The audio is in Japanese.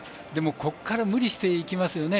ここから無理をしていきますね。